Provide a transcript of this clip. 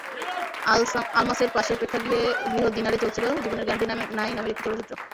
আলমাসের পাশের প্রেক্ষাগৃহ দিনারে চলছিল জীবনের গ্যারান্টি নাই নামের একটি চলচ্চিত্র।